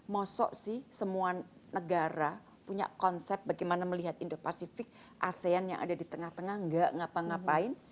masa sih semua negara punya konsep bagaimana melihat indo pacific asean yang ada di tengah tengah tidak apa apa